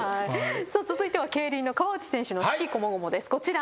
続いては競輪の河内選手の悲喜こもごもですこちら。